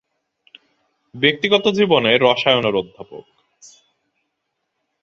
ব্যক্তিগত জীবনে রসায়নের অধ্যাপক।